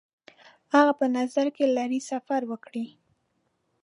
هغه په نظر کې لري سفر وکړي.